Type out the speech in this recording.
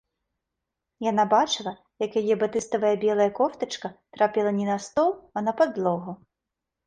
Яна бачыла, як яе батыставая белая кофтачка трапіла не на стол, а на падлогу.